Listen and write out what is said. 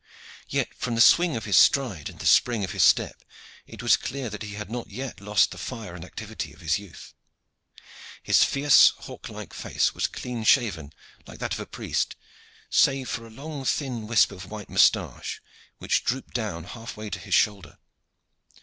Yet, from the swing of his stride and the spring of his step, it was clear that he had not yet lost the fire and activity of his youth. His fierce hawk like face was clean shaven like that of a priest, save for a long thin wisp of white moustache which drooped down half way to his shoulder.